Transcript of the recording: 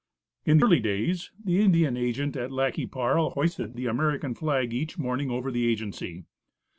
In early days, the Indian agent at Lac qui Parle hoisted the American flag each morning over the agency.